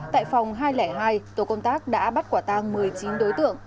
tại phòng hai trăm linh hai tổ công tác đã bắt quả tang một mươi chín đối tượng